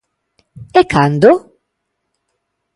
¿E cando?